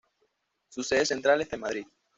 Su sede central está en Madrid.